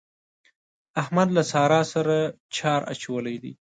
احمد له سارا سره چار اچولی دی.